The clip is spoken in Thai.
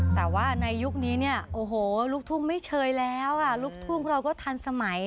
แต่ว่าในยุคนี้เนี่ยโอ้โหลูกทุ่งไม่เชยแล้วค่ะลูกทุ่งเราก็ทันสมัย